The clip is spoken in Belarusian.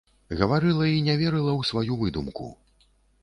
Гаварыла і не верыла ў сваю выдумку.